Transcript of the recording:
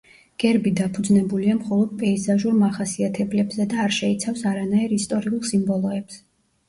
გერბი დაფუძნებულია მხოლოდ პეიზაჟურ მახასიათებლებზე და არ შეიცავს არანაირ ისტორიულ სიმბოლოებს.